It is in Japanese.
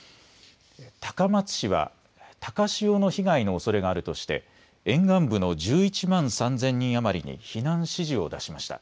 高松市は高潮の被害のおそれががあるとして沿岸部の１１万３０００人余りに避難指示を出しました。